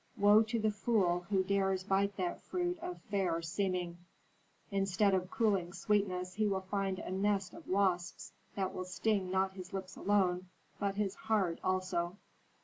Woe to the fool who dares bite that fruit of fair seeming; instead of cooling sweetness he will find a nest of wasps that will sting not his lips alone, but his heart also."